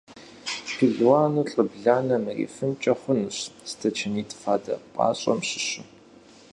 Пелуану лӀы бланэм ирифынкӀэ хъунщ стачанитӀ фадэ пӀащӀэм щыщу.